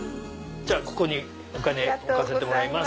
ここにお金置かせてもらいます。